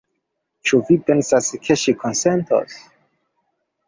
Ĉu vi pensas, ke ŝi konsentos?